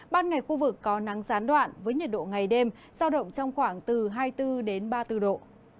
ban ngày khu vực có nắng gián đoạn với nhiệt độ ngày đêm giao động trong khoảng từ hai mươi bốn đến ba mươi bốn độ